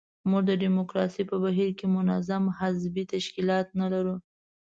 موږ د ډیموکراسۍ په بهیر کې منظم حزبي تشکیلات نه لرو.